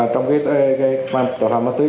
trong cái tội phạm ma túy